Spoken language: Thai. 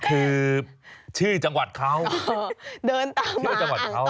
คือชื่อจังหวัดเขาเดินตากมาอ่างทองนี้